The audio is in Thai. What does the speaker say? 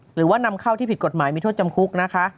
หรือว่านำเข้าที่ผิดกฎหมายมีโทษจำคุกนะคะ